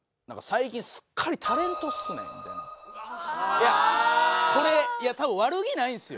いやこれ多分悪気ないんですよ。